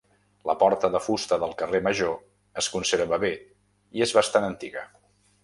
La porta de fusta del carrer Major es conserva bé i és bastant antiga.